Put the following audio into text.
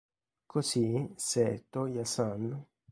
Così, se Toya San.